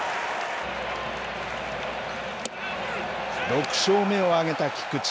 ６勝目を挙げた菊池。